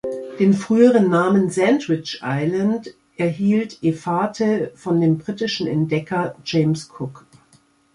Den früheren Namen „Sandwich Island“ erhielt Efate von dem britischen Entdecker James Cook.